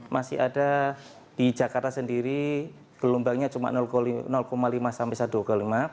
masih ada di jakarta sendiri gelombangnya cuma lima sampai satu dua puluh lima